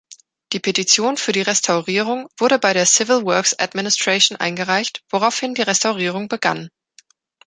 Die Petition für die Restaurierung wurde bei der Civil Works Administration eingereicht, woraufhin die Restaurierung begann.